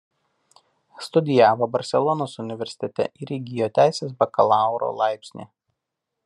Studijavo Barselonos universitete ir įgyjo teisės bakalauro laipsnį.